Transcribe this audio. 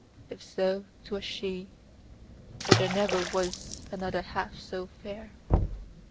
If so, 'twas she, for there never was another half so fair.